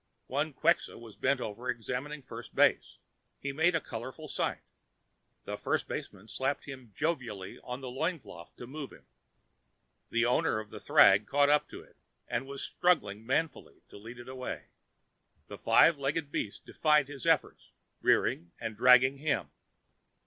One Quxa was bent over, examining first base. He made a colorful sight. The first baseman slapped him jovially on the loin cloth to move him. The owner of the thrag caught up to it and was struggling manfully to lead it away. The five legged beast defied his efforts, rearing and dragging him.